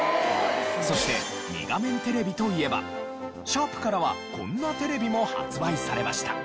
そして２画面テレビといえばシャープからはこんなテレビも発売されました。